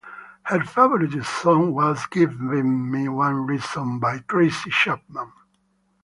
Her favourite song was "Give Me One Reason" by Tracy Chapman.